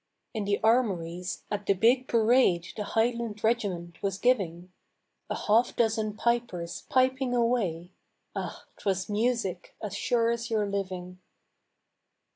In the armories, at the big parade The highland regiment was giving, A half dozen pipers piping away Ah! 'twas music, as sure as your living.